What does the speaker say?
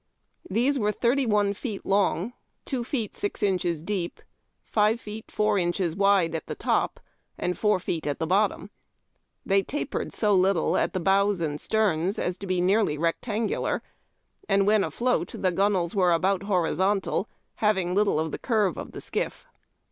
These were thirty one feet long, two feet six inches deep, five feet four inches wide at the top, and four feet at the bottom. They tapered so little at the bows and sterns as to be nearly rectangular, and when afloat the gunwales were about horizontal, having little of the curve of the skiff.